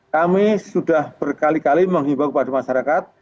kami sudah berkali kali menghimbau kepada masyarakat